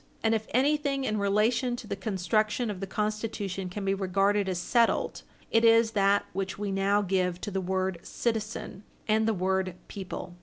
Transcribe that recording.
And if anything in relation to the construction of the Constitution can be regarded as settled, it is that which we now give to the word "citizen" and the word "people."